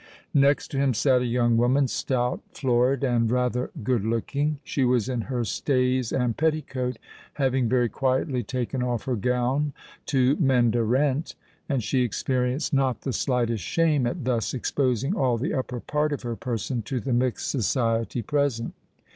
Next to him sate a young woman, stout, florid, and rather good looking. She was in her stays and petticoat, having very quietly taken off her gown to mend a rent; and she experienced not the slightest shame at thus exposing all the upper part of her person to the mixed society present.